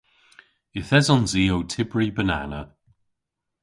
Yth esons i ow tybri banana.